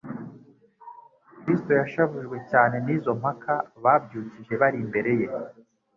Kristo yashavujwe cyane n'izo mpaka babyukije bari imbere ye.